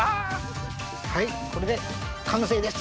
これで完成です。